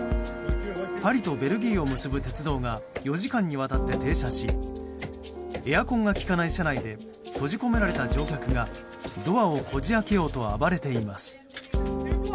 パリとベルギーを結ぶ鉄道が４時間にわたって停車しエアコンがきかない車内で閉じ込められた乗客がドアをこじ開けようと暴れています。